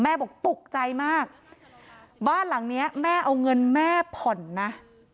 บอกตกใจมากบ้านหลังเนี้ยแม่เอาเงินแม่ผ่อนนะ